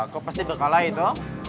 kok pasti berkala itu